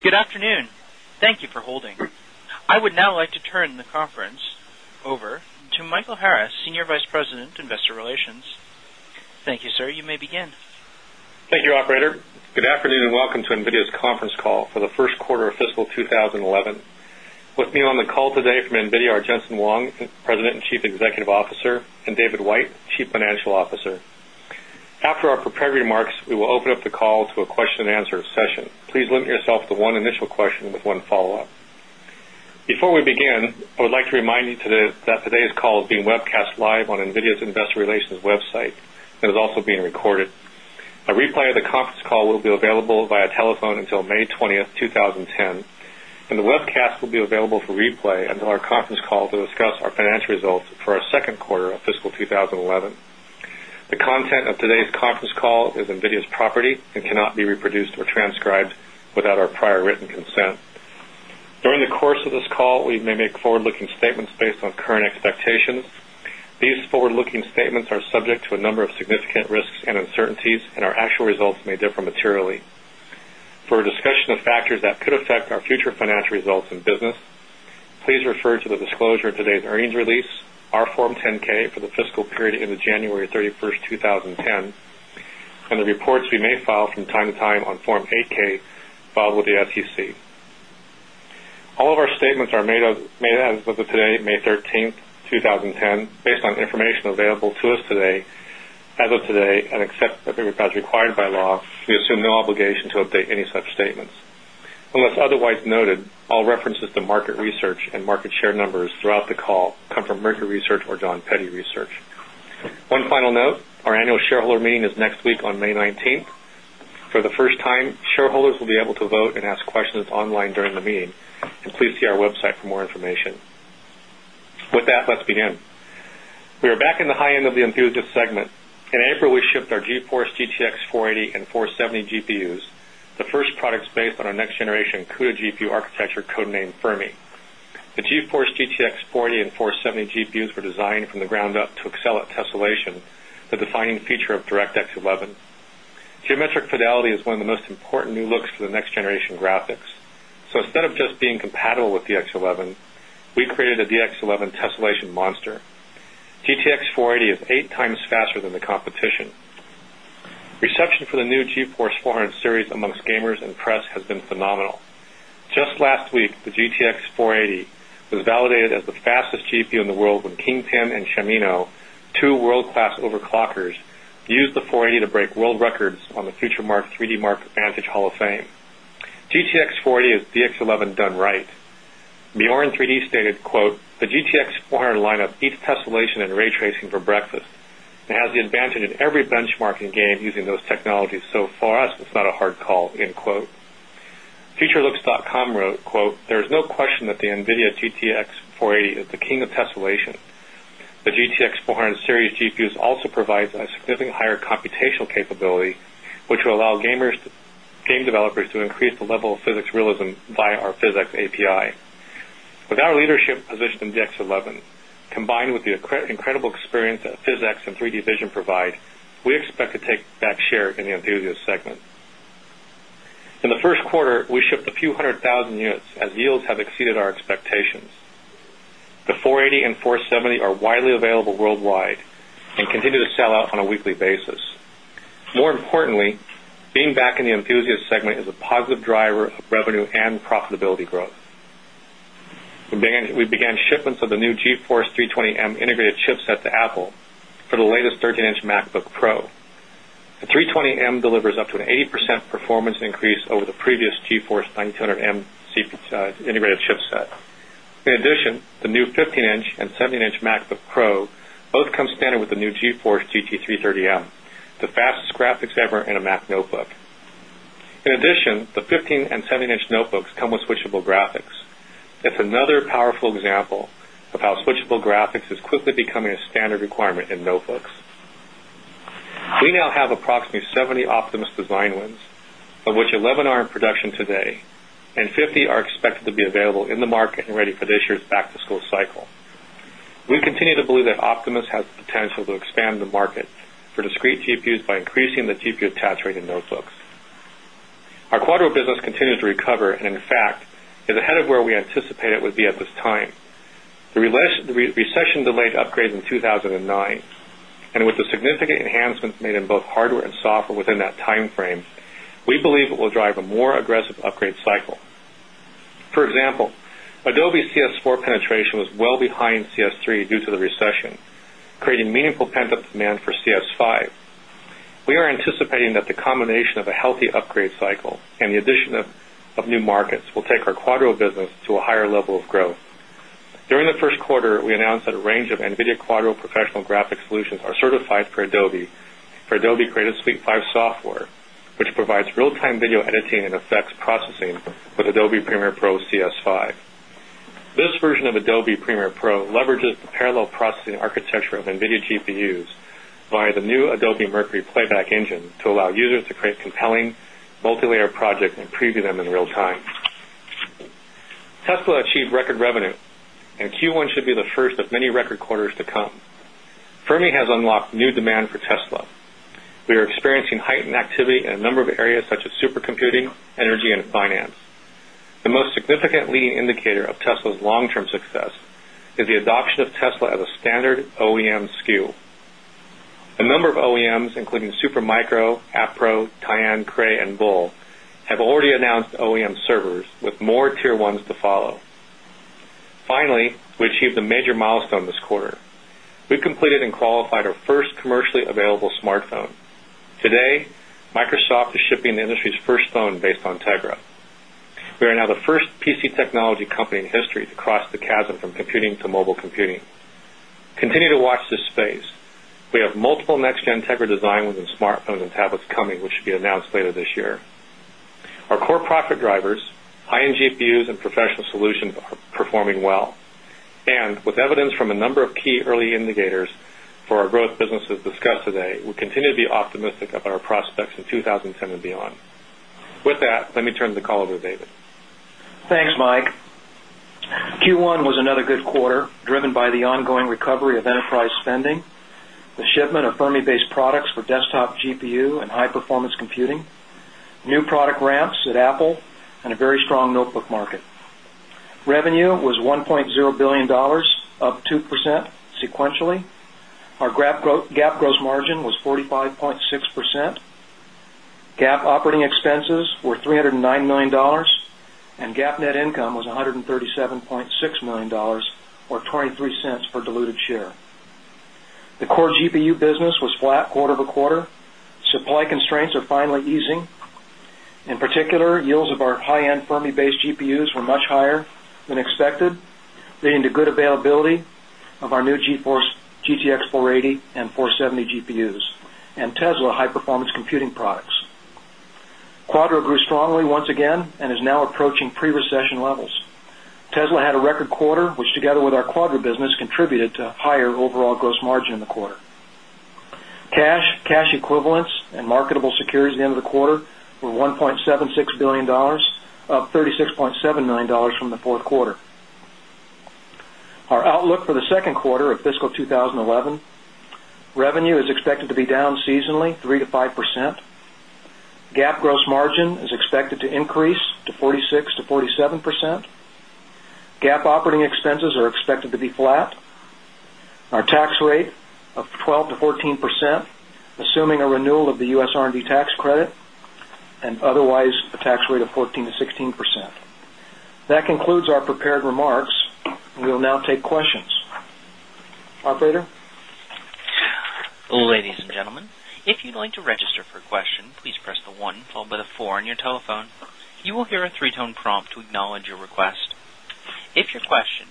Good afternoon. Thank you for holding. I would now like to turn the conference over to Michael Harris, Senior Vice President, Investor Relations. Thank you, sir. You may begin. Thank you, operator. Good afternoon and welcome to NVIDIA's conference call for the Q1 of fiscal 20 11. With me on the call today from NVIDIA are Jensen Huang, President and Chief Executive Officer and David White, Chief Financial Officer. Begin, I would like to remind you that today's call is being webcast live on NVIDIA's Investor Relations website and is also being recorded. A replay of the call will be available via telephone until May 20, 2010, and the webcast will be available for replay until our conference call to discuss our financial results for our Q2 of fiscal 2011. The content of today's conference call is NVIDIA's property and cannot be reproduced or transcribed without our prior written consent. During the course of this call, we may make forward looking statements based on current expectations. These forward looking statements are subject to a number of significant risks and uncertainties and our actual results may differ materially. For a discussion of factors that could affect our future financial results and business, please refer to the disclosure of today's earnings release, our Form 10 ks for the fiscal period ended January 31, 2010, and the reports we may file from time to time on Form 8 ks filed with the SEC. All of our statements are made as of today, May 13, on information available to us today. As of today and except for paperbacks required by law, we assume no obligation to update any such statements. Unless otherwise noted, all references to market research and market share numbers throughout the call come from Mercury Research or John Pette Research. One final note, our Annual Shareholder Meeting is next week on May 19. For the first time, shareholders will be able to vote and ask questions online during the meeting and please see our website for more information. With that, let's begin. We are back in the high end of the InfuSystems segment. In April, we shipped our GeForce GTX 480 and 470 GPUs, the first products based on our next generation CUDA GPU architecture code named Fermi. The GeForce GTX 40 and 470 GPUs were designed from the ground up to excel at tessellation, the defining feature of DirectX 11. Geometric fidelity is one of the most important new looks for the next generation graphics. So instead of just being compatible with DX11, we created a DX11 tessellation monster. GTX 480 is 8x faster than the competition. Reception for the new GeForce 400 series amongst gamers and press has been phenomenal. Just last week, the GTX 480 was validated as the fastest GPU in the world with Kingpin and Chamino, 2 world class overclockers used the 480 to break world records on the FutureMark 3DMark Vantage Hall of Fame. GTX 40 is DX11 done right. Mihorin 3 d stated, The GTX 400 lineup each tessellation and ray tracing for breakfast and has the advantage in every benchmarking game using those technologies so far as it's not a hard call. Futurelooks.com wrote, There is no question that the NVIDIA GTX 480 is the king of tessellation. The GTX 400 series GPUs also provides a significant higher computational capability, which will allow gamers game developers to increase the level of physics realism via our physics API. With our leadership position in DX11 combined with the incredible experience that physics and 3 d vision provide, we expect to take back share in the Anthosys segment. In the Q1, we shipped a few 100,000 units as yields have exceeded our expectations. The 4 80 and 4 70 are widely available worldwide and continue to sell out on a weekly basis. More importantly, being back in the enthusiast segment is a positive driver of revenue and profitability growth. We began shipments of the new GeForce 320M integrated chipset to Apple for the latest 13 inches MacBook Pro. The 320m delivers up to an 80% performance increase over the previous GeForce 900m integrated chipset. In addition, the new 15 inches and 17 inches MacBook Pro both come standard with the new GeForce GT330M, the fastest graphics ever in a Mac notebook. In addition, the 15 and 17 inches notebooks come with switchable graphics. That's another powerful example of how switchable graphics is quickly becoming a standard requirement in notebooks. We now have approximately 70 Optimus design wins, of which 11 are in production today and 50 are expected to be available in the market and ready for this year's back to school cycle. We continue to believe that Optimus has the potential to expand the market for discrete GPUs by increasing the GPU attach rate in notebooks. Our Quadro business continues to recover and in fact is ahead of where we anticipate it would be at this time. The recession delayed upgrades in 2,009 and with the significant enhancements made in both hardware and software within that timeframe, we believe it will drive a more aggressive upgrade cycle. For example, Adobe CS4 penetration was well behind CS3 due to the recession, creating meaningful pent up demand for CS5. We are anticipating that the combination of a healthy upgrade cycle and the addition of new markets will take our Quadro business to a higher level of growth. During the Q1, we announced that a range of NVIDIA Quadro Professional Graphics Premiere Pro CS5. This version of Adobe Premiere Pro leverages the parallel processing architecture of NVIDIA GPUs via the new Adobe Mercury Play Back Engine to allow users to create compelling multi layer project and preview them in real time. Tesla achieved record revenue and Q1 should be the first of many record quarters to come. Fermi has unlocked new demand for Tesla. We are experiencing heightened activity in a number of areas such as standard OEM SKU. A number of OEMs including Super Micro, Appro, Tayon, Cray and Bull have already announced OEM servers with more Tier 1s to follow. Finally, we achieved the major milestone this quarter. We completed and qualified our first commercially available smartphone. Today, Microsoft is shipping the industry's first phone based on Tegra. We are now the 1st PC technology company in history to cross the chasm from computing to mobile computing. Continue to watch this space. We have multiple next gen Tegra design wins in smartphones and tablets coming, which should be announced later this year. Our core profit drivers, high end GPUs and professional solutions are performing well. And with evidence from a number of key early indicators for our growth businesses discussed today, we continue to be optimistic about our prospects about our prospects in 2010 and beyond. With that, let me turn the call over to David. Thanks, Mike. Q1 was another good quarter, driven by the ongoing recovery of enterprise spending, the shipment of Fermi based products for desktop GPU and high performance computing, new product ramps at Apple and a very strong notebook market. Revenue was $1,000,000,000 up 2% sequentially. Our GAAP gross margin was 45.6 percent, GAAP operating expenses were $309,000,000 and GAAP net income was $137,600,000 or $0.23 diluted share. The core GPU business was flat quarter over quarter, supply constraints are finally easing. In particular, yields of our high end Fermi based GPUs were much higher than expected leading to good availability of our new GTX 480 and 470 GPUs and Tesla high performance computing products. Quadro grew strongly once again and is now approaching recession levels. Tesla had a record quarter, which together with our Quadro business contributed to higher overall gross margin in the quarter. Cash, cash equivalents $36,700,000 from the 4th quarter. Our outlook for the Q2 of fiscal 2011, revenue is expected to be down seasonally 3% to 5%. GAAP gross margin expected to increase to 46% to 47%. GAAP operating expenses are expected to be flat. Our tax rate of 12% to 14%, assuming a renewal of the U. S. R and D tax credit and otherwise a tax rate of 14% to 16%. That concludes our prepared remarks. We will now take questions. Our first question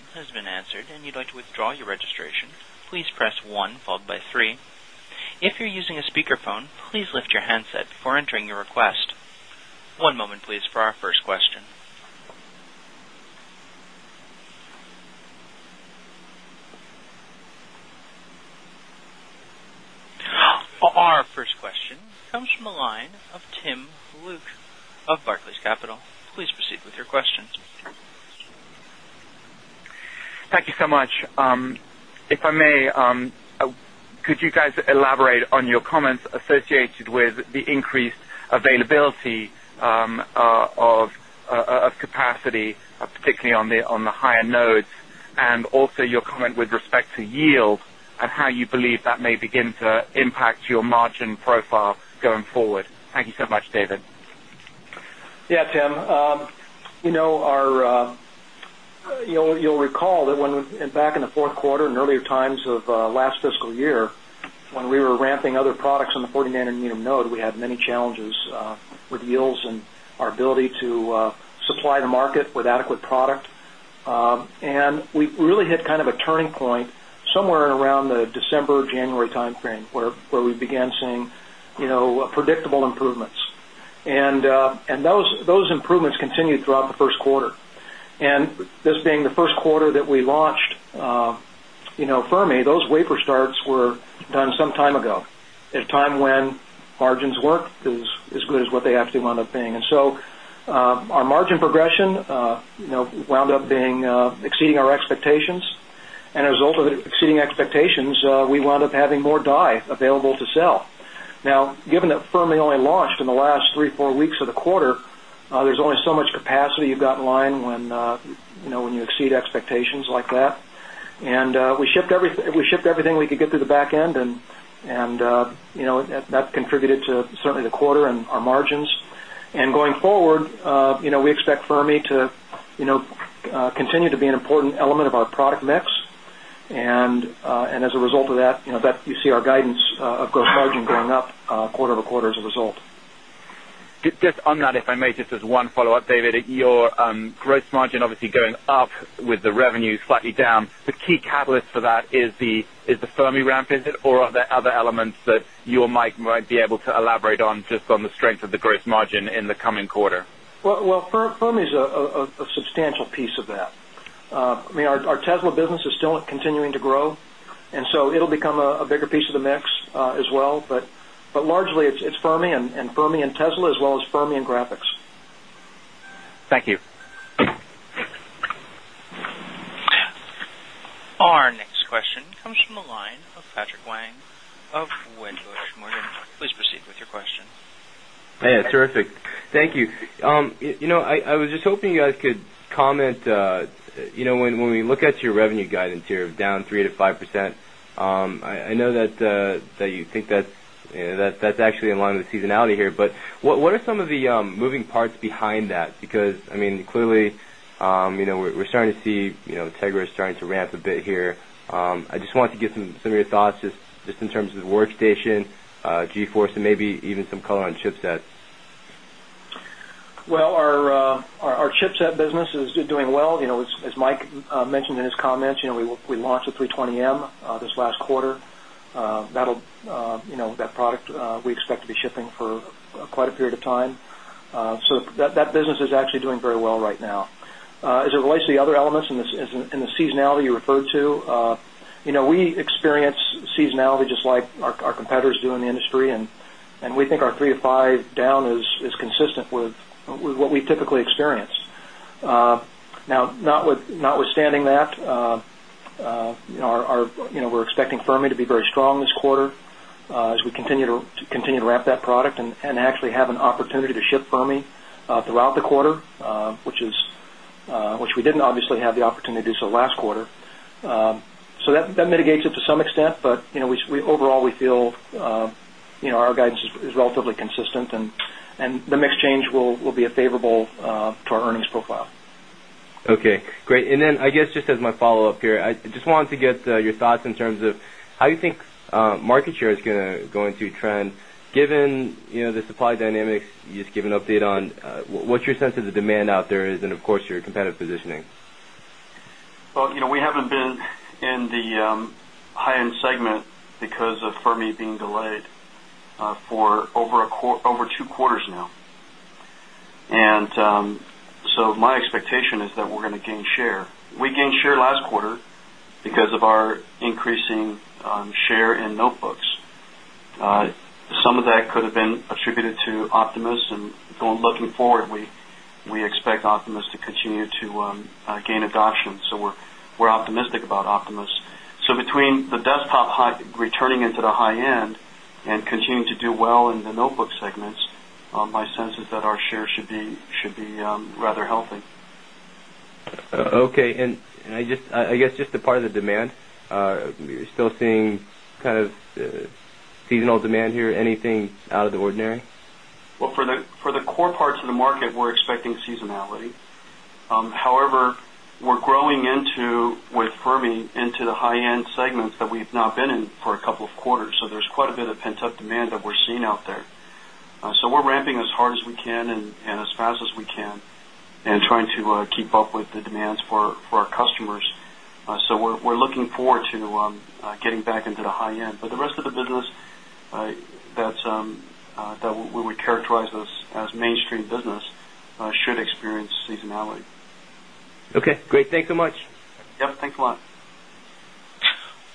comes from the line of Tim Luke of Barclays Capital. Please proceed with your question. Thank you so much. If I may, could you guys elaborate on your comments associated with the increased availability of of capacity, particularly on the higher nodes? And also your comment with respect to yield and how you believe that may begin to impact your margin profile going forward? Thank you so much, David. Yes, Tim. Our you'll recall that when back in the Q4 and earlier times of last fiscal year, when we were ramping other products on the 40 nanometer node, we had many challenges with yields and our ability to supply the market with adequate product. And we really hit kind of a turning point somewhere around the December, January timeframe where we began seeing predictable improvements. And those improvements Q1 that we launched Fermi, those wafer starts were done some time ago, at a time when margins work as good as what they actually wound up paying. And so our margin progression wound up being exceeding our expectations. And as a result of exceeding expectations, we wound up having more die available to sell. Now given that Fermi only launched in the last 3, 4 weeks of the quarter, there's only so much capacity you've got in line when you exceed expectations like that. And we shipped everything we could get through the back end and that contributed to certainly the quarter and our margins. And going forward, we expect Fermi to continue to be an important element of our product mix. And as a result of that, that you see our guidance of gross margin going up quarter over quarter as a result. Just on that, if I may, just as one follow-up, David. Your gross margin obviously going up with the revenue slightly down. The key catalyst for that is the Fermi ramp, is it? Or are there other elements that you or Mike might be able to elaborate on just on the strength of the gross margin in the coming quarter? Well, Fermi is a substantial piece of that. I mean, our Tesla business is still continuing to grow. And so it will become a bigger piece of the mix as well. But largely, it's Fermi and Fermi and Tesla as well as Fermi and Graphics. Thank you. Our next question comes from the line of Patrick Wang of Wedbush Securities. Please proceed with your question. Hey, terrific. Thank you. I was just hoping you guys could comment, when we look at your revenue guidance here of down 3% to 5%, I know that you think that that's actually in line with the seasonality here. But what are some of the moving parts behind that? Because I mean, clearly, we're starting to see Integra starting to ramp a bit here. I just wanted to get some of your thoughts just in terms of the workstation, Force and maybe even some color on chipsets? Well, our chipset business is doing well. As Mike mentioned in his comments, we launched the 320M this last quarter. That product we expect to be shipping for quite a period of time. So that business is actually doing very well right now. As it relates to the other elements and the seasonality you referred to, we experience seasonality just like our competitors do in the industry and we think our 3% to 5% down is consistent with what we typically experienced. Now notwithstanding that, we're expecting Fermi to be very strong this quarter as we continue to ramp that product and actually have an opportunity to ship Fermi throughout the quarter, which we didn't obviously have the opportunity to do so last quarter. So that mitigates it to some extent, but we overall we feel our guidance is relatively I just I just wanted to get your thoughts in terms of how you think market share is going to go into trend given the supply dynamics you just give an update on what's your sense of the demand out there is and of course your competitive positioning? Well, we haven't been in the high end segment because of Fermi being delayed for over 2 quarters now. And so my expectation is that we're going to gain share. We gained share last quarter because of our increasing share in notebooks. Some of that could have been attributed to OPTIMIST and looking forward, we expect OPTIMIST to continue to gain adoption. So we're optimistic about OPTIMUS. So between the desktop high returning into the high end and continue to do well in the notebook segments, my sense is that our share should be rather healthy. Okay. And I guess just a part of the demand, we're still seeing kind of seasonal demand here, anything out of the ordinary? Well, for the core parts of the market, we're expecting seasonality. However, we're growing into with Fermi into the high end segments that we've now been in for a couple of quarters. So there's quite a bit of pent up demand that we're seeing out there. So we're ramping as hard as we can and as fast as we can and trying to keep up with the demands for our customers. So we're looking forward to getting back into the high end. But the rest of the business that's we would characterize as mainstream business should experience seasonality. Okay, great. Thanks so much. Yes, thanks a lot.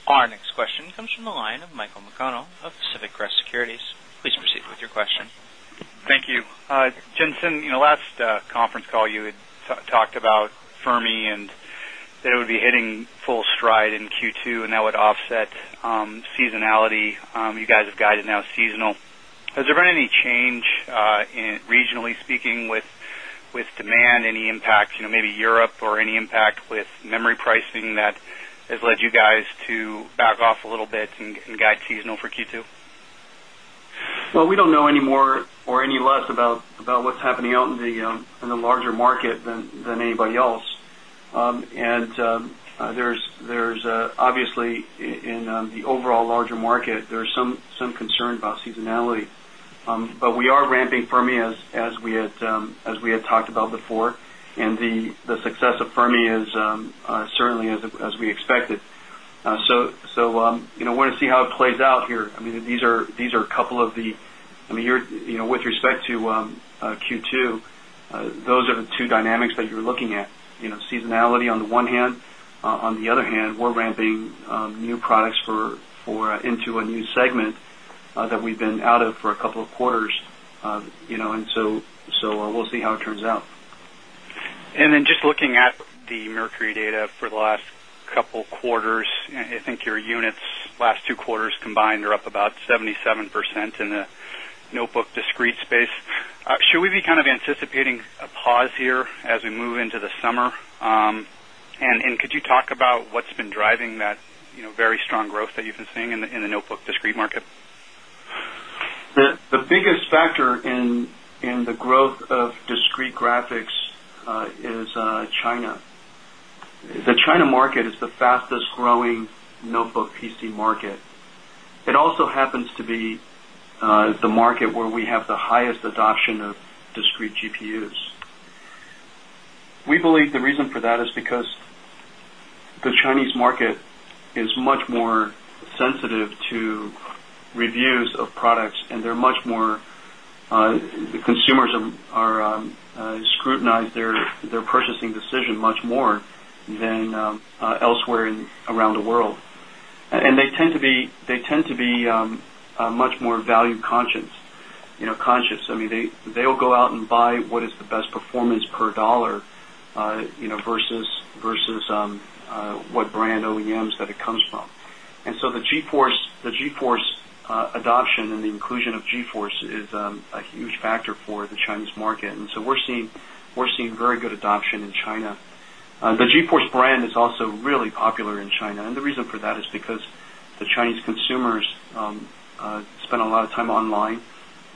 Our next question comes from the line of Michael McConnell of Pacific Crest Securities. Please proceed with your question. Thank Jensen, last conference call you had talked about Fermi and they would be hitting full stride in Q2 and that would offset seasonality, you guys have guided now seasonal. Has there been any change regionally speaking with demand, any impact, maybe Europe or any impact with memory pricing that has led you guys to back off a little bit and guide seasonal for Q2? Well, we don't know anymore or any less about what's happening out in the larger market than anybody else. And there is obviously in the overall larger market, there is some concern is of Fermi is certainly as we expected. So, want to see how it plays out here. I mean, these are couple of the I mean, with respect to Q2, those are the 2 dynamics that you're looking at, seasonality on the one hand, on the other hand, we're ramping new products for into a new segment that we've been out of for a couple of quarters. And so we'll see how it turns out. And then just looking at the Mercury data for the last couple of quarters, I think your units discrete market? The biggest factor in discrete market? The biggest factor in the growth of discrete graphics is China. The China market is the fastest growing notebook PC market. It also happens to be the market where we have the highest adoption of discrete GPUs. We believe the reason for that is because the Chinese market is much more sensitive to reviews of products and they're much more the consumers are scrutinized their purchasing decision much more than elsewhere around the world. And they tend to be much more value conscious. I mean, they will go out and buy what is the best performance per dollar versus what brand OEMs that it comes from. And so the GeForce adoption and the inclusion of GeForce is a huge factor for the Chinese market. And so we're seeing very good adoption in China. The GeForce brand is also really popular in China. And the reason for that is because the Chinese consumers spend a lot of time online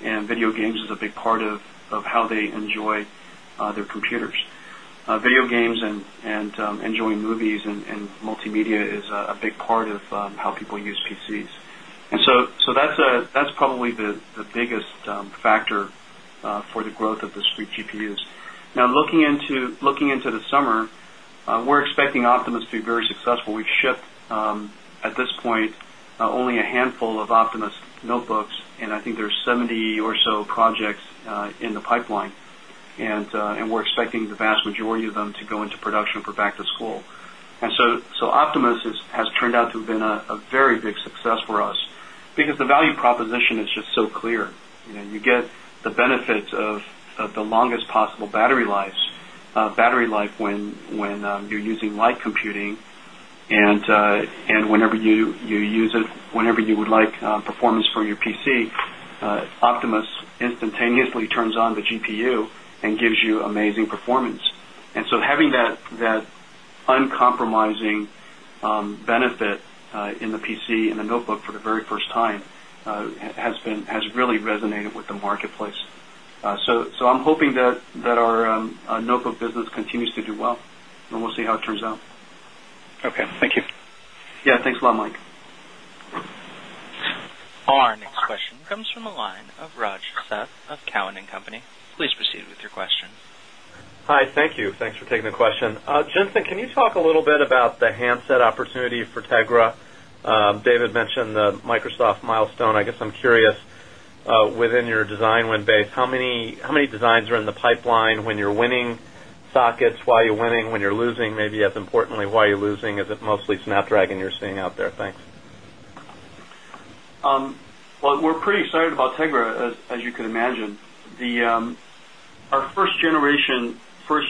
and video is a big part of how they enjoy their computers. Video games and enjoying movies and multimedia is a big part of how people use PCs. And so that's probably the biggest factor for the growth of discrete GPUs. Now looking into the summer, we're expecting OPTIMUS to be very successful. We've shipped at this point only a handful of OPTIMUS notebooks and I think there's 70 or so projects in the pipeline and we're expecting the vast majority of them to go into production for back to school. And so Optimus has turned out to have been a very big success for us because the value proposition is just so clear. You get benefits of the longest possible battery life when you're using light computing And whenever you use it, whenever you would like performance for your PC, Optimus instantaneously turns on the GPU and gives you amazing performance. And so having that uncompromising benefit in the PC and the notebook for the very first time has been has really resonated with the marketplace. So I'm hoping that our notebook business continues to do well and we'll see how it turns out. Okay. Thank you. Yes. Thanks a lot, Mike. Our next question comes can you talk a little bit about the handset opportunity for Tegra? David mentioned the Microsoft milestone. I guess I'm curious within your design win base, how many designs are in the pipeline when you're winning sockets, why you're winning? When you're losing, maybe as importantly, why you're losing, is it mostly Snapdragon you're seeing out there? Thanks. Well, we're pretty excited about TEGRA as you can imagine. The our 1st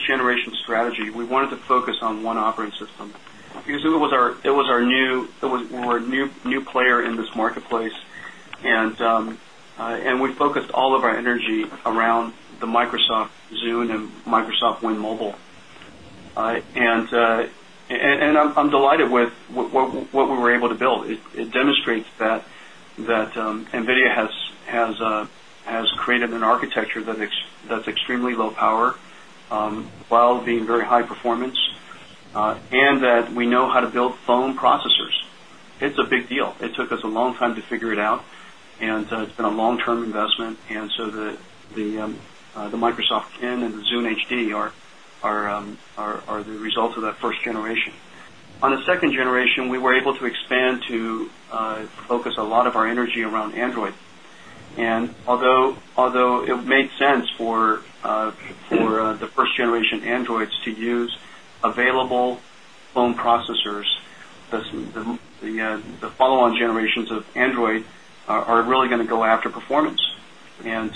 generation strategy, we wanted to focus on 1 operating system. Because it was our new it was we were a new player in this marketplace and we focused all of our energy around the Microsoft Zune and Microsoft Win Mobile. And I'm delighted with what we were able build. It demonstrates that NVIDIA has created an architecture that's extremely low power, while being very high performance and that we know how to build phone processors. It's a big deal. It took us a long time to figure it out. And it's been a long term investment. And so the Microsoft Kin and the Zune HD are the results of that 1st generation. On the 2nd generation, we were able to expand to focus a lot of our energy around Android. And although it made sense for the 1st generation Androids to use available phone processors, the follow on generations of Android are really going to go after performance. And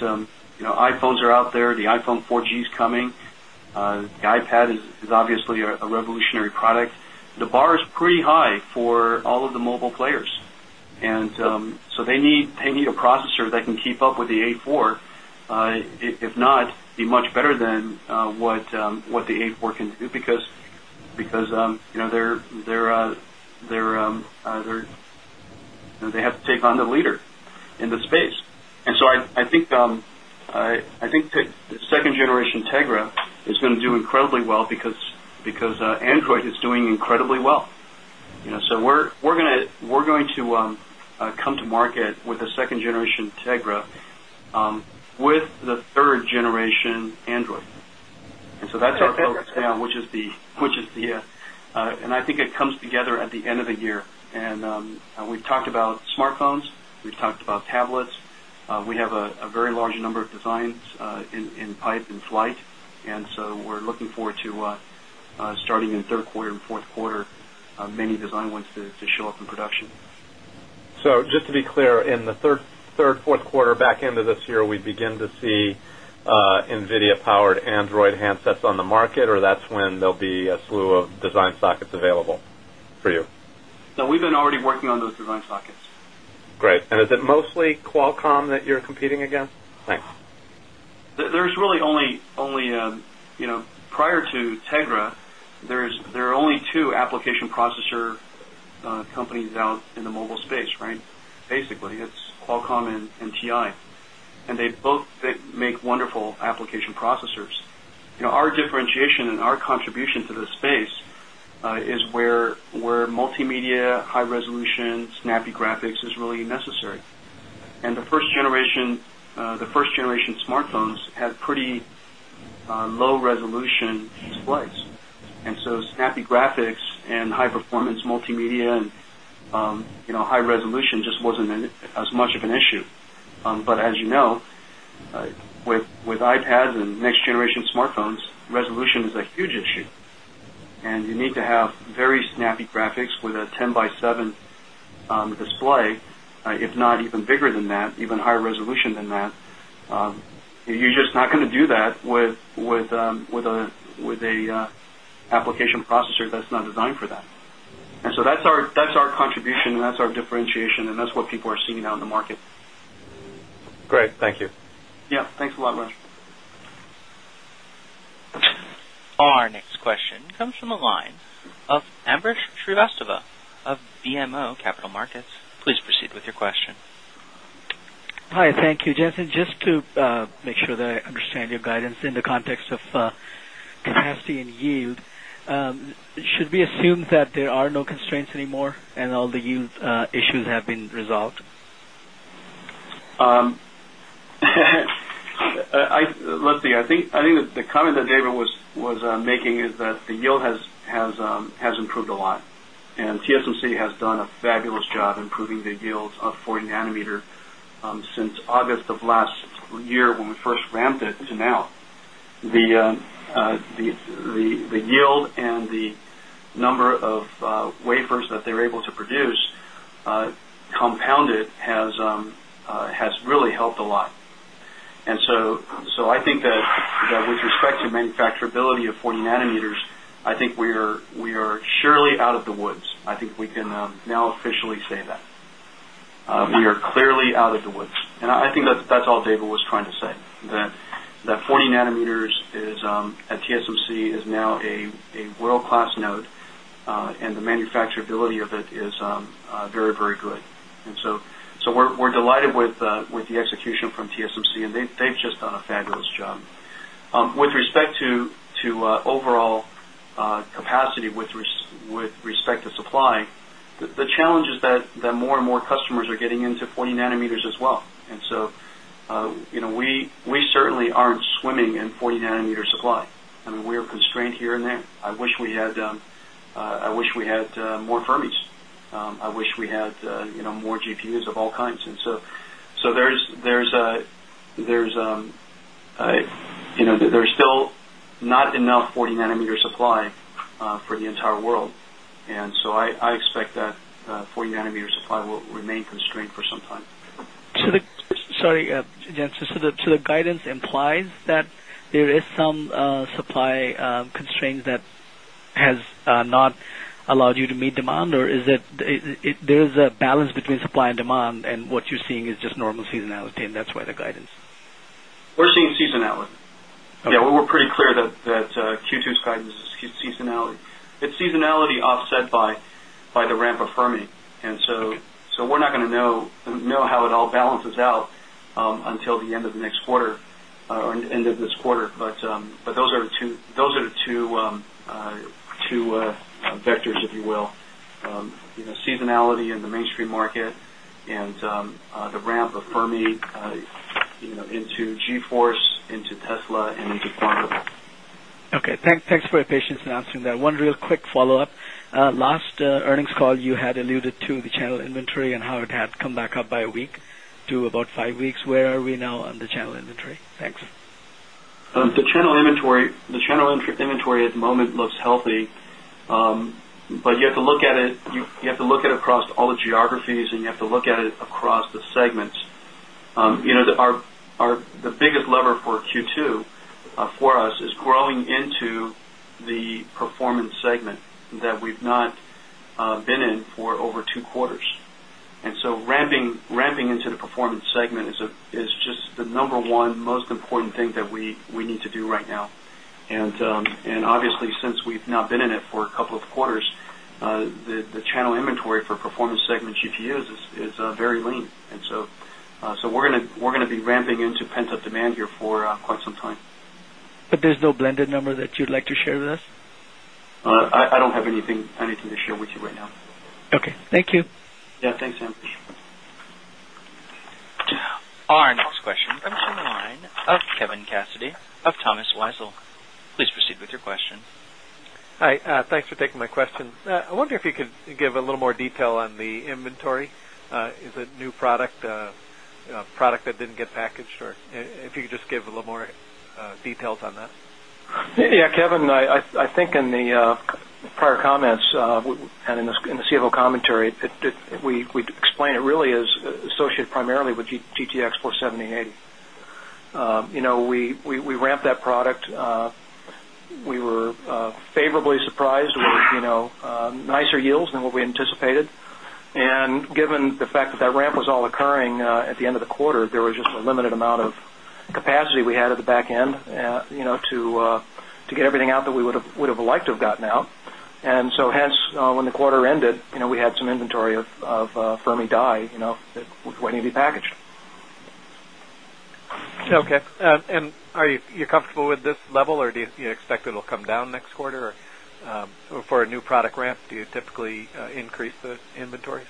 iPhones are out there, the iPhone 4 gs is coming, the iPad is obviously a revolutionary product. The bar is pretty high for all of the mobile players. And so they need a processor that can keep up with the A four, if not be much better than what the A four can do because they have to take on the leader in the space. And so I think 2nd generation Tegra is going to do incredibly well because Android is doing incredibly well. So we're going to come to market with the 2nd generation Integra with the 3rd generation Android. And so that's our focus now, which is the and I think it comes together at the end of the year. And we've talked about smartphones, we've talked about tablets. We have a very large number of designs in pipe and flight. And so we're looking forward to starting in the 3rd quarter and Q4, many design wins to show up in production. So just to be clear, in the 3rd, Q4 back end of this year, we begin to see NVIDIA powered Android handsets on the market or that's when there'll be a slew of design sockets available for you? No, we've been already working on those design sockets. Great. And is it mostly Qualcomm that you're competing against? Thanks. There's really only prior to Tegra, there are only 2 application processor companies out in the mobile space, right? Basically, it's Qualcomm and TI and they both make wonderful application processors. Our differentiation and our contribution to this space is where multimedia high resolution snappy graphics is really necessary. And the 1st generation smartphones had pretty low resolution displays. And so snappy graphics and high performance multimedia and high resolution just wasn't as much of an issue. But as you know, with Ipads and next generation smartphones, resolution is a huge issue. And you need to have very snappy graphics with a 10x7 display, if not even bigger than that, even higher resolution than that. You're just not going to do that with an application processor that's not designed for that. And so that's our contribution and that's our differentiation and that's what people are seeing out in the market. Our next question comes from the line of Ambrish Srivastava of BMO Capital Markets. Please proceed with your question. Hi, thank you. Just to make sure that I understand your guidance in the context of capacity and yield, Should we assume that there are no constraints anymore and all the yield issues have been resolved? Let's see, I think the comment that David was making is that the yield has improved a lot. And TSMC has done a fabulous job improving the yields of 40 nanometer since August of last year when we first ramped it to now. The yield and the number of wafers that they're able to produce compounded has really helped a lot. And so I think that with respect to manufacturability of 40 nanometers, I think we are surely out of the woods. I think we can now officially say that. We are clearly out of the woods. And I think that's all David was trying to say, that 40 nanometers is at TSMC is now a world class node and the manufacturability of it is very, very good. And so we're delighted with the execution from TSMC and they've just done a fabulous job. Respect to supply, the challenge is that more and more customers are getting into 40 nanometers as well. And so we certainly aren't swimming in 40 nanometer supply. I mean, we are constrained here and there. I wish we had more Fermis. I wish we had more GPUs of all kinds. And so there's still not enough 40 nanometer supply for the entire world. And so I expect that 40 nanometer supply will remain constrained for some time. Sorry, Jen. So the guidance implies that there is some supply constraints that has not allowed you to meet demand? Or is that there is a balance between supply and demand and what you're seeing is just normal seasonality and that's why the guidance? We're seeing seasonality. Yes, we were pretty clear that Q2's guidance is seasonality. It's seasonality offset by the ramp of Fermi. And so we're not going to know how it all balances out until the end of this quarter. But those are the 2 vectors, if you will. Seasonality in the mainstream market and the ramp of Fermi into GeForce, into Tesla and into Quantum. Okay. Thanks for your patience in answering that. One real quick follow-up. Last earnings call, you had alluded to the channel inventory and how it had come back up by a week to about 5 weeks. Where are we now on the channel inventory? Thanks. The channel inventory at the moment looks healthy. But you have to look at it across all the geographies and you have to look at it across the segments. The biggest lever for Q2 for us is growing into the performance segment that we've not been in for over 2 quarters. And so ramping into the performance segment is just the number one most important thing that we need to do right now. And obviously, since we've not been in it for a couple of quarters, the channel inventory for performance segment GPUs is very lean. And so we're going to be ramping into pent up demand here for quite some time. But there's no blended number that you'd like to share with us? I don't have anything to share with you right now. Our next question comes from the line of Kevin Cassidy of Thomas Weisel. Please proceed with your question. Hi, thanks for taking my question. I wonder if you could give a little more detail on the inventory. Is it new product, product that didn't get packaged or if you could give a little more details on that? Yes, Kevin, I think in the prior comments and in the CFO commentary, we'd explain it really is associated primarily with GTX for 7,080. We ramped that product. We were favorably surprised with nicer yields than what we anticipated. And given the fact that that ramp was all occurring at the end of the quarter, there was just a limited amount of capacity we had at the back end to get everything out that we would have liked to have gotten out. And so hence when the quarter ended, we had some inventory of Fermi dye when it be packaged. Okay. And are you comfortable with this level or do you expect it will come down next quarter or for a new product ramp, do you typically increase the inventory?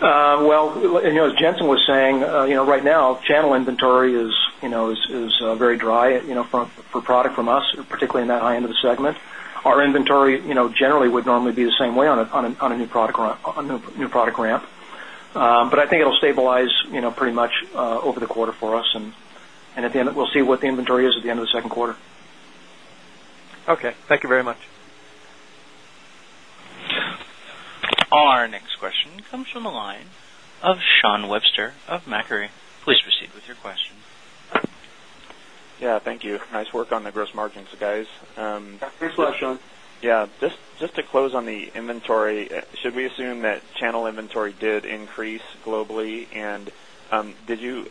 Well, as Jensen was saying, right now, channel inventory is very dry for product from us, particularly in that high end of the segment. Our inventory generally would normally be the same way on a new product ramp. But I think it will stabilize pretty much over the quarter for us and at the end we'll see what the inventory is at the end of the second quarter. Okay. Thank you very much. Our next question comes from the line of Shawn Webster of Macquarie. Please proceed with your question. Yes, thank you. Nice work on the gross margins guys. Thanks Sean. Yes, just to close on the inventory, should we assume that channel inventory did increase globally? And did you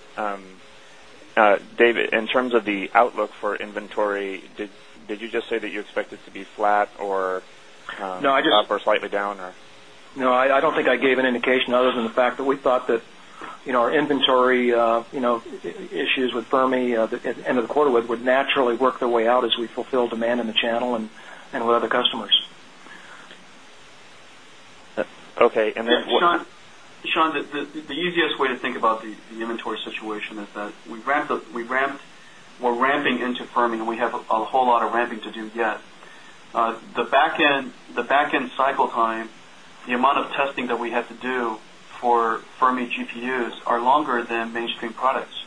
David, in terms of the outlook for inventory, did you just say that you expect it to be flat or up or slightly down or? No, I don't think I gave an indication other than the fact that we thought that our inventory issues with Fermi at the end of the quarter would naturally work their way out as we fulfill demand in the channel and with other inventory situation is that we ramped we're ramping into firming and we have a whole lot of ramping to do yet. The back end cycle time, the amount of testing that we have to do for Fermi GPUs are longer than mainstream products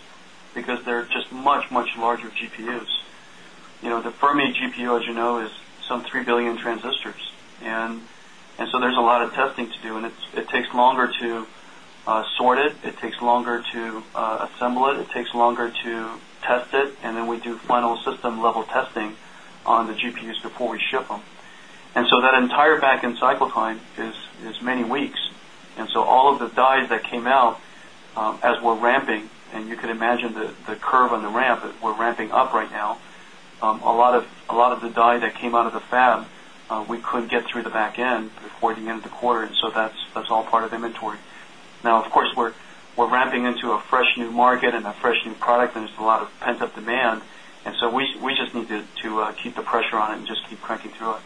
because they're just much, much larger GPUs. The Fermi GPU as you know is some 3,000,000,000 transistors. And so there's a lot of testing to do and it takes longer to sort it, it takes longer to assemble it, it takes longer to test it and then we do final system level testing on the GPUs before we ship them. And so that entire back end cycle time is many weeks. And so all of the dies that came out as we're ramping and you could imagine the curve on the ramp that we're ramping up right now, a lot of the die that came out of the fab, we couldn't get through the back end before the end of the quarter. And so that's all part of inventory. Now, of course, we're ramping into a fresh market and a fresh new product and there's a lot of pent up demand. And so, we just need to keep the pressure on it and just keep cranking through it.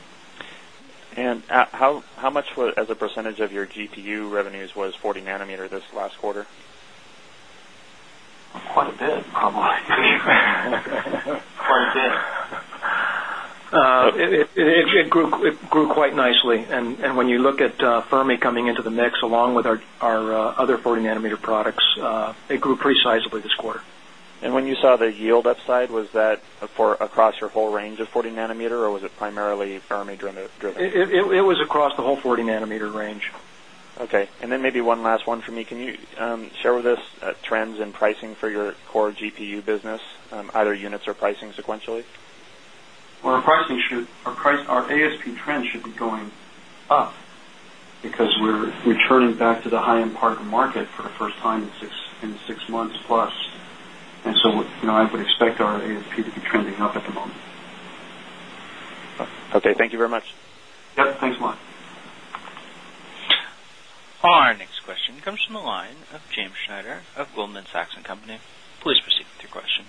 And how much as a percentage of your GPU revenues was 40 nanometer this last quarter? Quite a bit, probably. It grew quite nicely. And when you look at Fermi coming into the mix along with our other 40 nanometer products, it grew pretty sizably this quarter. And when you saw the yield upside, was that across your whole range of 40 nanometer or was it primarily Fermi driven? It was across the whole 40 nanometer range. Okay. And then maybe one last one for me. Can you share with us trends in pricing for your core GPU business, either units or pricing sequentially? Our ASP trend should be going up because we're returning back to the high end part of the market for the first time in 6 months plus. And so I would expect our ASP to be trending up at the moment. Okay. Thank Our next question comes from the line of James Schneider of Goldman Sachs and Company. Please proceed with your question.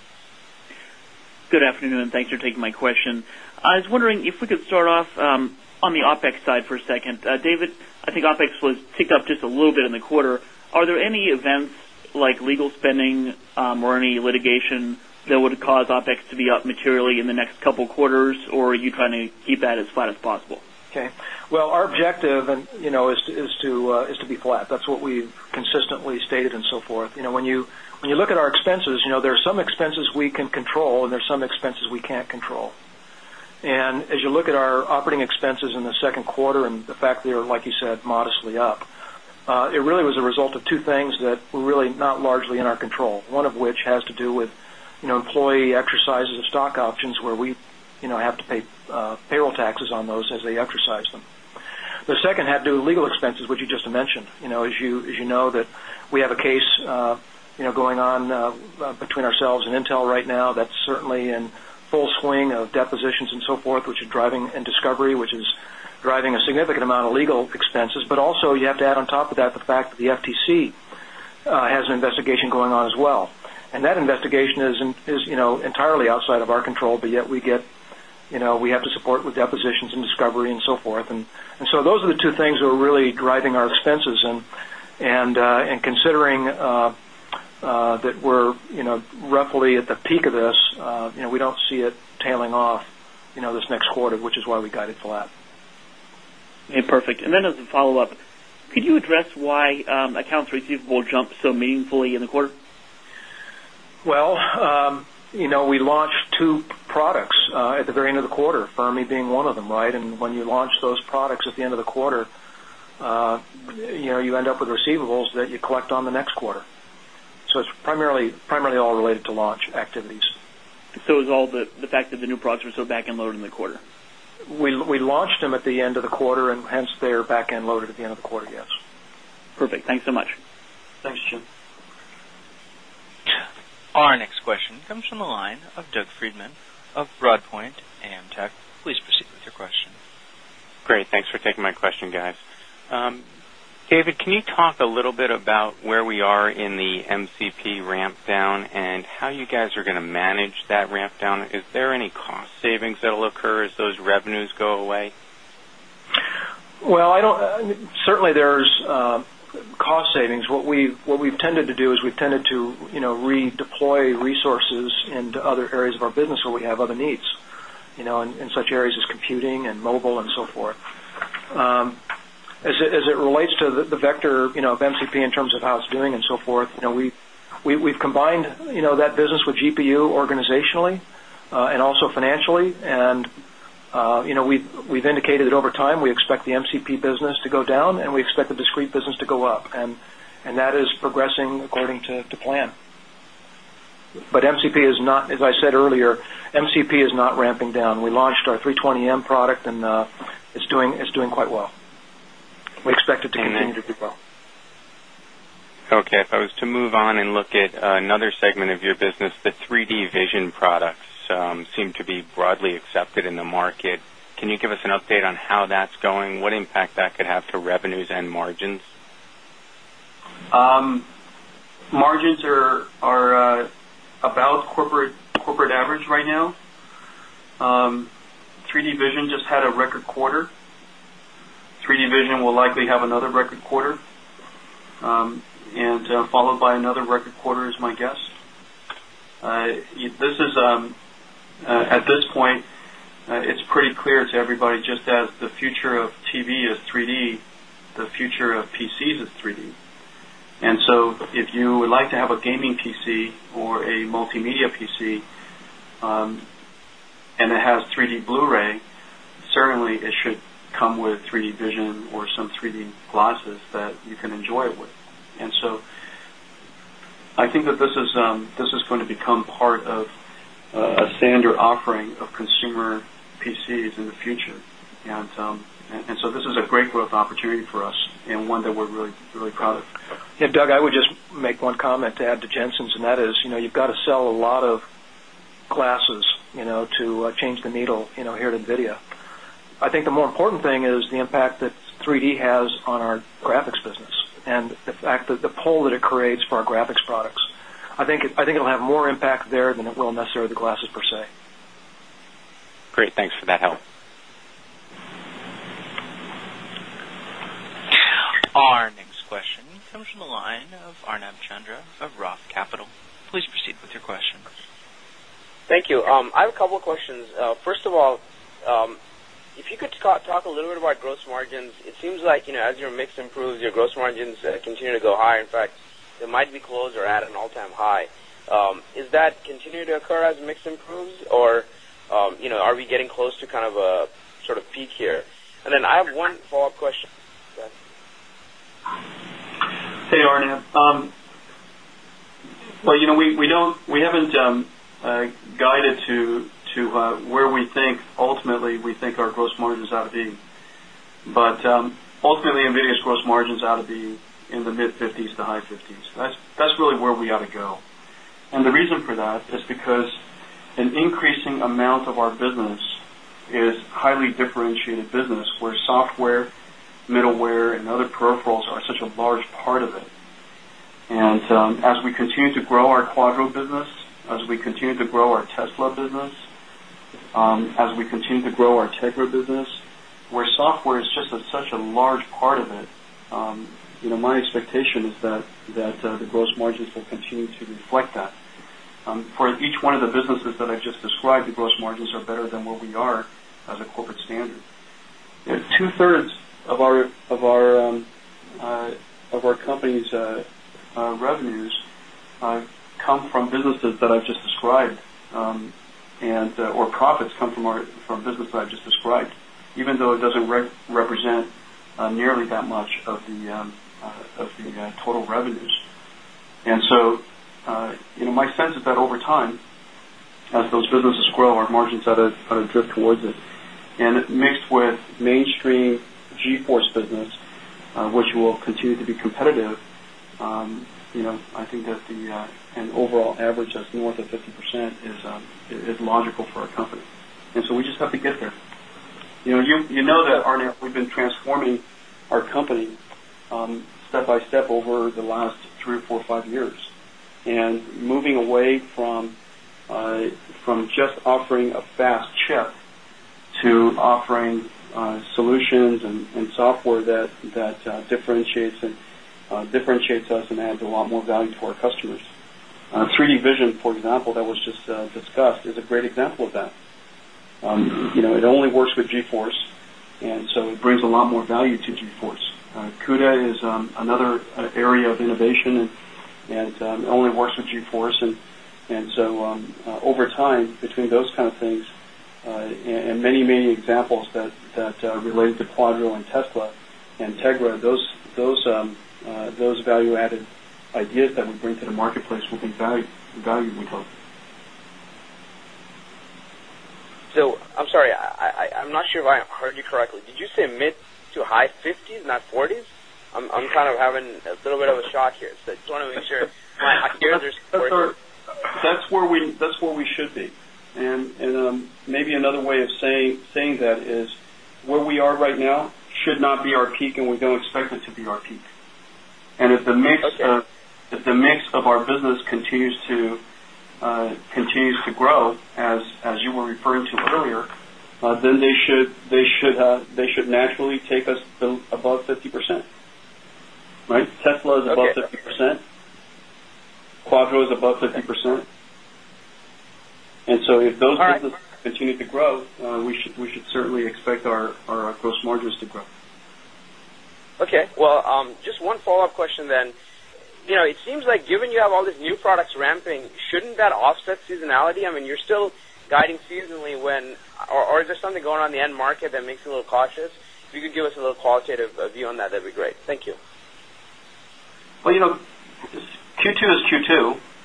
Good afternoon and thanks for taking my question. I was wondering if we could start off on the OpEx side for a second. David, I think OpEx was ticked up just a little bit in the quarter. Are there any events like legal spending or any litigation that would cause OpEx to be up materially in the next couple of quarters? Or any litigation that would cause OpEx to be up materially in the next couple of quarters? Or are you trying to keep that as flat as possible? Okay. Well, our objective is to, is to, is to, is to, is to be flat. That's what we've consistently stated and so forth. When you look at our expenses, there are some expenses we can control and there are some expenses we can't control. And as you look at our and there are some expenses we can't control. And as you look at our operating expenses in the second quarter and the fact they are like you said, modestly up, it really was a result of 2 things that were really not largely in our control, one of which has to do with employee exercises of stock options where we have to pay payroll taxes on those as they exercise them. The second had to do with legal expenses, which you just mentioned. As you know that we have a case going on between ourselves and Intel right now that's certainly in full swing of depositions and so forth, which is driving and discovery, which is driving a significant amount of legal expenses, but also you have to add on top of that the fact the FTC has an investigation going on as well. And that investigation is entirely outside of our control, but yet we get we have to support with depositions and discovery and so forth. And so those are the 2 things that are really driving our expenses and considering that we're roughly at the peak of this, we don't see it tailing off this next quarter, which is why we guided flat. Perfect. And as a follow-up, could you address why accounts receivable jumped so meaningfully in the quarter? Well, we launched 2 products at the very end of the quarter, Fermi being one of them, right? And when you launch those products at the end of the quarter, you end up with receivables that you collect on the next quarter. So it's primarily all related to launch activities. So is all the fact that the new products were still back end loaded in the quarter? We launched them at the end of quarter and hence they are back end loaded at the end of the quarter, yes. Perfect. Thanks so much. Thanks, Jim. Our next question comes from the line of Doug Friedman of Broadpoint AMTECH. Please proceed with your question. Great. Thanks for taking my question, guys. David, can you talk a little bit about where we are in the MCP ramp down and how you guys are going manage that ramp down? Is there any cost savings that will occur as those revenues go away? Well, I don't certainly there is cost savings. What we've tended to do is we've tended to redeploy resources into other areas of our business where we have other needs in such areas as computing and mobile and so forth. As it relates to the vector of MCP in terms of how it's doing and so forth, we've combined that business with GPU organizationally and also financially. And we've indicated that over time, we expect the MCP business to go down and we expect the discrete business to go up and that is progressing according to plan. But MCP is not as I said earlier, MCP is not ramping down. We launched our 320M product and it's doing quite well. We expect it to continue to do well. Okay. If I was to move on and look at another segment of your could have to revenues and margins? Margins are about corporate average right now. 3 d Vision just had a record quarter. 3 d Vision will likely have another record quarter and followed by another record quarter is my guess. This is at this point, it's pretty clear to everybody just as the future of TV is 3 d, the future of PCs is 3 d. And so if you would like to have a gaming PC or a multimedia PC and it has 3 d Blu Ray, certainly it should come with 3 d vision or some 3 d glasses that you can enjoy it with. And so I think that this is going to become part of a standard offering of consumer PCs in the future. And so this is a great growth opportunity for us and one that we're really proud of. Yes, Doug, I would just make one comment to add to Jensen's and that is, you've got to sell a lot of classes to change the needle here at NVIDIA. I think the more important thing is the impact that 3 d has on our graphics business and the fact that the pull that it creates for our graphics products. I think it will have more impact there than it will necessarily the glasses per se. Great. Thanks for Our next question comes from the line of Arnab Chandra of ROTH Capital. Please proceed with your question. Thank you. I have a couple of questions. First of all, if you could talk a little bit about gross margins, it seems like as your mix improves, your gross margins continue to go higher. In fact, it might be closer at an all time high. Is that continuing to occur as mix improves? Or are we getting close to kind of a sort of peak here? And then I have one follow-up question. Hey, Arne. Well, we don't we haven't guided to where we think ultimately we think our gross margins ought to be. But ultimately, NVIDIA's gross margins ought to be in the mid-50s to high-50s. That's really where we ought to go. And the reason for that is because an increasing amount of our business is highly differentiated business where software, middleware and other peripherals are such a large part of it. And as we continue to grow our Quadro business, as we continue to grow our Tesla business, as we continue to grow our Tegra business, where software is just such a large part of it, my expectation is that the gross margins will continue to reflect that. For each one of the businesses that I just described, the gross margins are better than what we are as a corporate standard. 2 thirds of our company's revenues come from businesses that I've just described and or profits come from our from business that I've just described, even though it doesn't represent nearly that much of the total revenues. And so my sense is that over time as those businesses grow our margins are drift towards it. And mixed with mainstream G Force business, which will continue to be competitive, I think that the an overall average that's north of 50% is logical for our company. And so we just have to get there. You know that, Arne, we've been transforming our company step by step over the last 3 or 4, 5 years. And moving away from just offering a fast chip to offering solutions and software that differentiates us and adds a lot more value to our customers. 3 d vision for lot more value to GeForce. CUDA is another area of innovation and only works with GeForce. And so over time between those kind of things and many, many examples that related to Quadro and Tesla and Tegra, those value added ideas that we bring to the marketplace will be valued, we hope. So I'm sorry, I'm not sure if I heard you correctly. Did you say mid to high 50s not 40s? I'm kind of having a little bit of a shock here. So I just want to make sure That's where we should be. And maybe another way of saying that is where we are right now should not be our peak and we don't expect it to be our peak. And if the mix of our business continues to grow as you were referring to earlier, then they should naturally take us above 50%, right? Tesla is above 50%, Quadro is above 50%. And so if those businesses continue to grow, we should certainly expect our gross margins to grow. Okay. Well, just one follow-up question then. It seems like given you have all these new products ramping, shouldn't that offset seasonality? I mean, you're still guiding seasonally when or is there something going on the end market that makes a little Q2 is Q2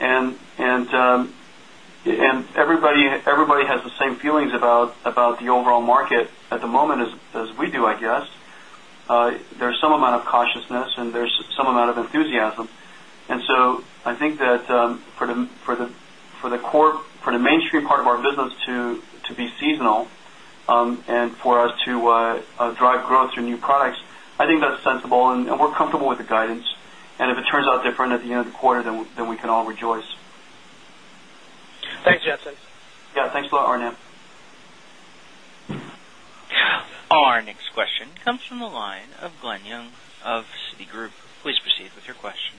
and everybody has the same feelings about the overall market at the moment as we do, I guess, there's some amount of cautiousness and there's some amount of enthusiasm. And so I think that for the core for the mainstream part of our business to be seasonal and for us to drive growth through new products, I think that's sensible and we're comfortable with the guidance. And if it turns out different at the end of the quarter, then we can all rejoice. Thanks, Justin. Yes, thanks a lot, Arnaud. Our next question comes from the line of Glenn Young of Citigroup. Please proceed with your question.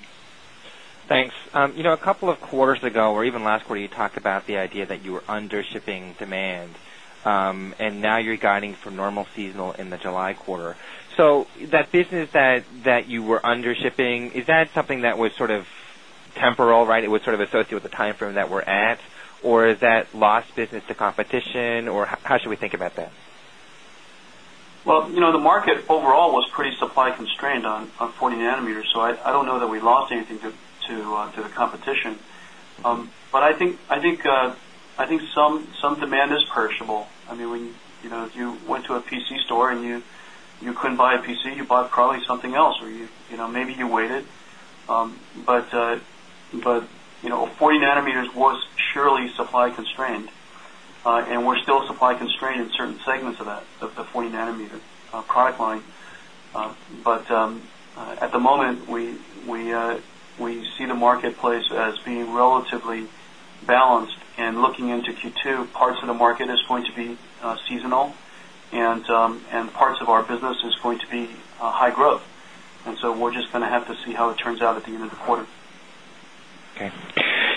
Thanks. A couple of quarters ago or even last quarter you talked about the idea that you were under shipping demand. And now you're guiding for normal seasonal in the July quarter. So that business that you were under shipping, is that something that was sort of temporal, right, it was sort of associated with the timeframe that we're at or is that lost business to competition or how should we think about that? Well, the market overall was pretty supply constrained on 40 nanometer. So, I don't know that we lost anything to the competition. But I think some demand is I mean, when you went to a PC store and you couldn't buy a PC, you bought probably something else or maybe you waited. But 40 nanometers was surely supply constrained and we're still supply constrained in certain segments of that, of the 40 nanometer product line. But at the moment, we see the marketplace as being relatively balanced. And looking into Q2, parts of the market is going to be seasonal and parts of our business is going to be high growth. And so we're just going to have to see how it turns out at the end of the quarter. Okay.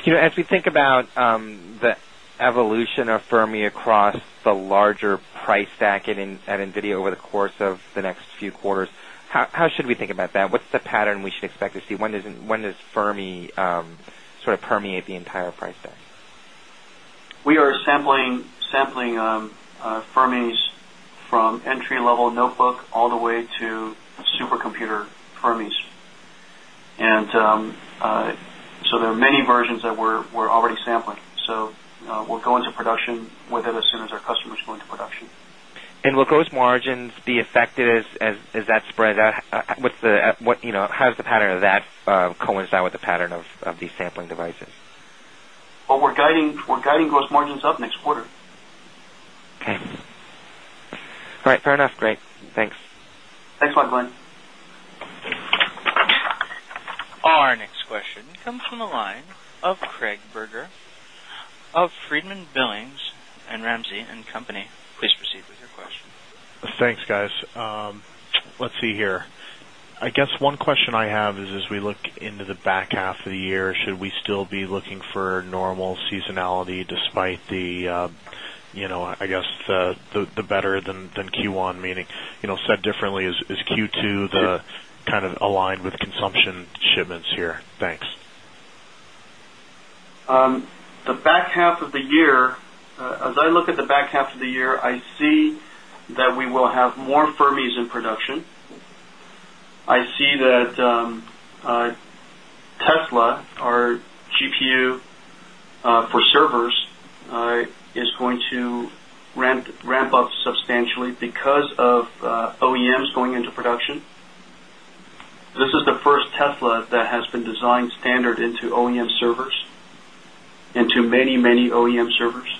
As we think about the evolution of Fermi across the larger price stack at NVIDIA over the course of the next few quarters, how should we think about that? What's pattern we should expect to see? When does Fermi sort of permeate the entire price there? We are sampling Fermi's from entry level notebook all the way to supercomputer Fermi's. So there are many versions that we're already sampling. So we'll go into production with it as soon as our customers go into production. And will gross margins be affected as that spreads out? What's the what's margins be affected as that spreads out? How does the pattern of that coincide with the pattern of these sampling devices? Well, we're guiding gross margins up next quarter. Okay, all right, fair enough. Great. Thanks. Thanks Michael. Our next question comes from the line of Craig Berger of Friedman, Billings and Ramsey and Company. Please proceed with your question. Thanks guys. Let's see here. I guess one question I have is as we look into the back half of the year, should we still be looking for normal seasonality despite aligned with consumption shipments here? Thanks. The back half of the year, as I look at the back half of the year, I see that we will have more Fermi's in production. I see that Tesla, our GPU for servers is going to ramp up substantially because of OEMs going into production. This is the 1st Tesla that has been designed standard into OEM servers into many, many OEM servers.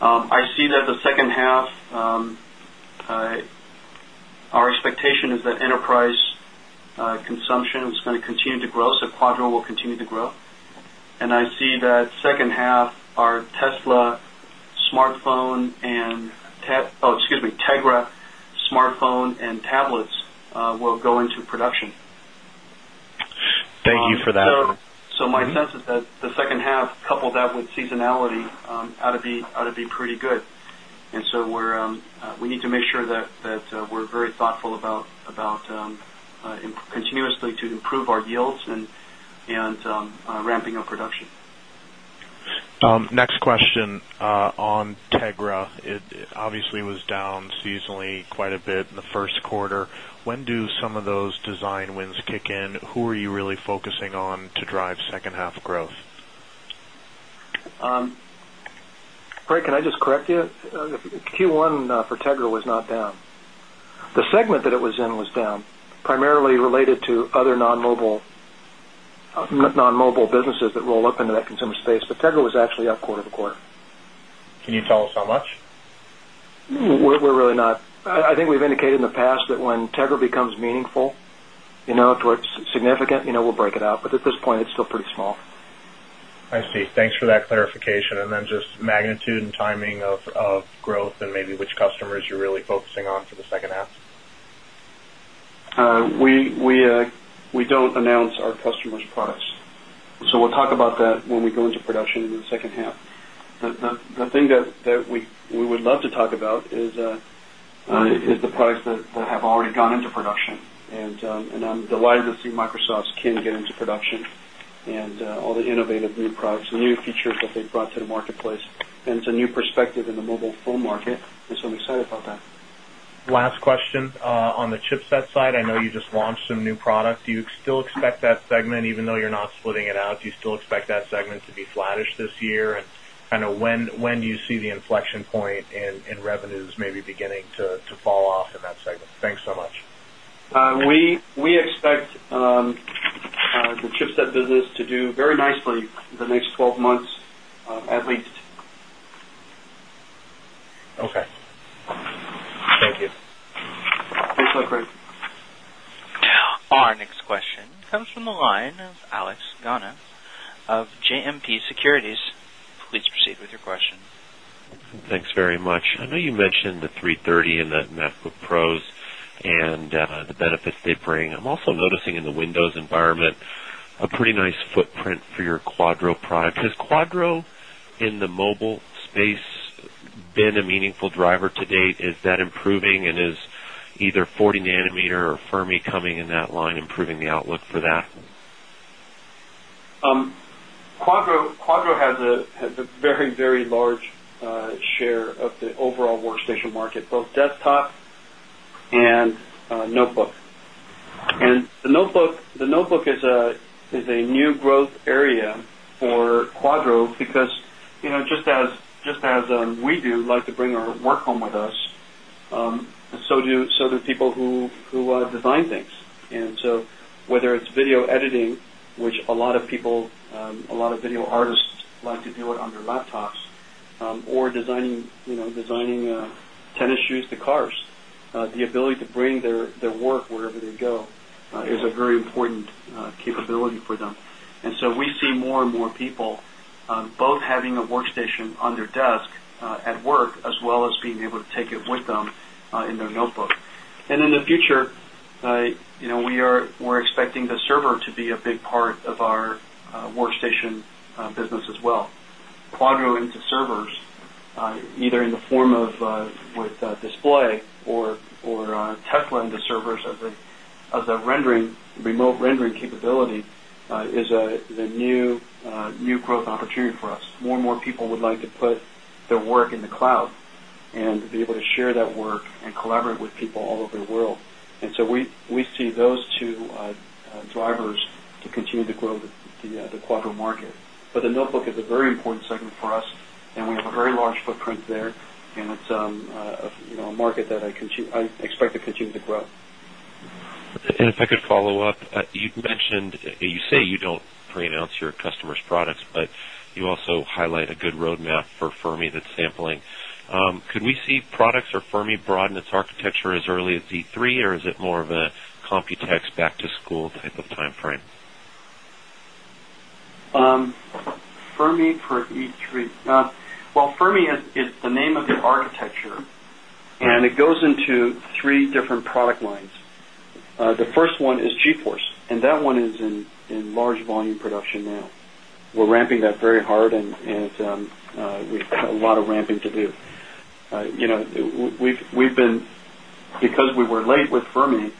I see that the second half, second half our Tesla smartphone and excuse me, Tegra smartphone and coupled that with seasonality out of the pretty good. And so we need to make sure that we're very thoughtful about continuously to improve our yields and ramping up continuously to improve our yields and ramping up production. Next question on TEGRA. It obviously was down seasonally quite a bit in the Q1. When do some of those design wins kick in? Who are you really focusing on to drive second half growth? Greg, can I just Q1 for TEGRA was not down? The segment that it was in was down primarily related to other non mobile businesses that roll up into that consumer space, but TEGRA was actually up quarter over quarter. Can you tell us how much? We're really not. I think we've indicated in the past that when TEGRA becomes meaningful towards significant, we'll break it out. But at this point, it's pretty small. I see. Thanks for that clarification. And then just magnitude and timing of growth and maybe which customers you're really focusing on for the second half? We So we'll talk about that when we go into production in the second half. So we'll talk about that when we go into production in the second half. The thing that we would love to talk about is the products that have already gone into production. And I'm delighted to see Microsoft can get into production and all the innovative new products, new features that they brought to the marketplace. And it's a new perspective in the mobile phone market and so I'm excited about that. Last question on the chipset side, I know you just launched some new products. Do you still expect that Do you still expect that segment even though you're not splitting it out, do you still expect that segment to be flattish this year? And kind of when do you see the inflection point in revenues maybe beginning to fall off in that segment? Thanks, point in revenues maybe beginning to fall off in that segment? Thanks so much. We expect the chipset business to do very nicely in the next 12 months at least. Okay. Thank you. Thanks, Craig. Our next question comes from the line of Alex Gana of JMP Securities. Please proceed with your question. Thanks very much. I know you mentioned the 330 in the MacBook Pros and the the benefits they bring. I'm also noticing in the Windows environment a pretty nice footprint for your Quadro product. Has Quadro in the mobile space been a meaningful driver to date? Is that improving? And is either 40 nanometer or Fermi coming in that line improving the outlook for that? Quadro has a very, very large share of the overall workstation market both desktop and notebook. And the notebook is a new growth area for Quadro because just as we do like to bring our work home with us, so do people who design things. And so whether it's video editing, which a lot of people a lot of video artists like to do it on their laptops or designing tennis shoes to cars. The ability to bring their work wherever they go is a very important capability for them. And so we see more and more people both having a workstation on their desk at work as well as being able to take it with them in their notebook. And in the future, we are expecting the server to be a big part of our workstation business as well. Quadro into servers either in the form of with display or Tesla and the servers as a rendering remote rendering capability is a new growth opportunity us. More and more people would like to put their work in the cloud and be able to share that work and collaborate with people all over the world. And so we see those 2 drivers to continue to grow the Quadro market. But the notebook is a very important segment for us and we have a large footprint there and it's a market that I expect to continue to grow. And if I could follow-up, you mentioned you say you don't preannounce your customers' products, but you also highlight a good roadmap for Fermi that's sampling. Could we see products or Fermi broaden its architecture as early as E3 or is it more of a Computex back to school type of timeframe? Fermi for E3, well Fermi is the name of the architecture and it goes into 3 different product lines. The first one is GeForce and that one is in large volume production now. We're ramping that very hard and we've got a lot of ramping to do. We've been because we were late with Fermi,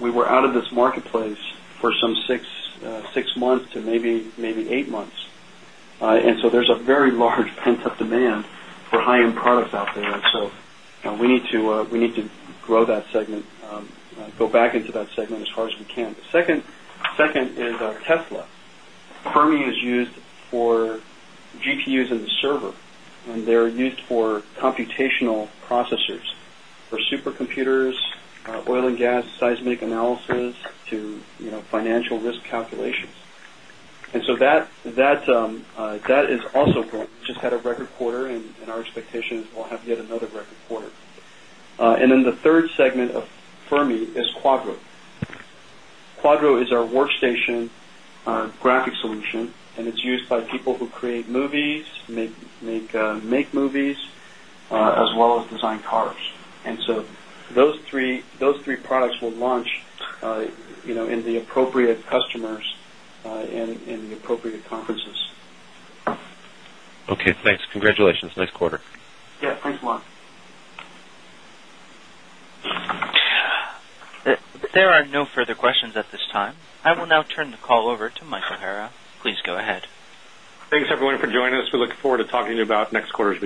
we were out of this marketplace for some 6 months to maybe 8 months. And so there's a very large pent up demand for high end products out there. And so we need to grow that segment, go back into that segment as hard as we can. The second is Tesla. Fermium is used for GPUs in the server and they're used for computational processors for supercomputers, oil and gas seismic analysis to financial risk calculations. And so that is also growing. We just had a record quarter and our expectation is we'll have yet another record quarter. And then the 3rd segment of Fermi is Quadro. Quadro is our workstation graphic solution and it's used by people who create movies, make movies as well as design cars. And so those three products will launch in the appropriate customers and in the appropriate conferences. Okay. Thanks. Congratulations. Nice quarter. Yes. Thanks, Mark. There are no further questions at this time. I will now turn the call over to Mike O'Hara. Please go ahead. Thanks everyone for joining us. We look forward to talking to you about next quarter's